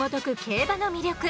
競馬の魅力。